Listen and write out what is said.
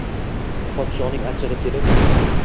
Podshoning achchig‘i kelib